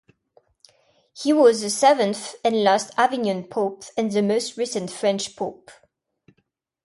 He was the seventh and last Avignon pope and the most recent French pope.